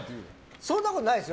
そんなことないですよ。